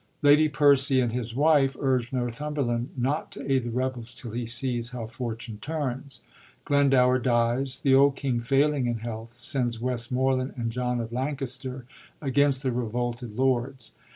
Lady Percy and his wife urge Northumberland not to aid the rebels till he sees how fortune turns. Glendower dies. The old king, failing in health, sends Westmoreland and John of Lancaster against the revolted lords.